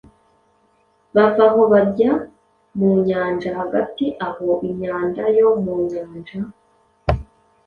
bava aho bajya mu nyanja. Hagati aho, imyanda yo mu nyanja –